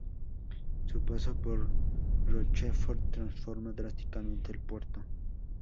Su paso por Rochefort transforma drásticamente el puerto.